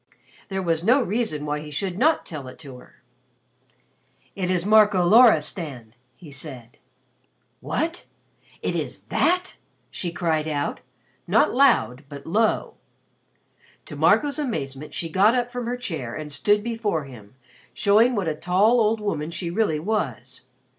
There was no reason why he should not tell it to her. "It is Marco Loristan," he said. "What! It is that!" she cried out, not loud but low. To Marco's amazement she got up from her chair and stood before him, showing what a tall old woman she really was.